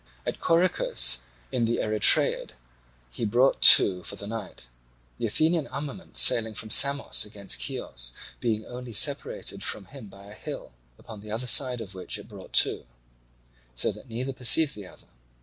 At Corycus in the Erythraeid he brought to for the night; the Athenian armament sailing from Samos against Chios being only separated from him by a hill, upon the other side of which it brought to; so that neither perceived the other.